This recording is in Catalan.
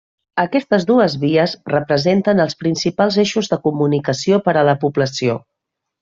Aquestes dues vies representen els principals eixos de comunicació per a la població.